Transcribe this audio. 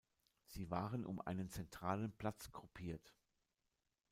Sie waren um einen zentralen Platz gruppiert.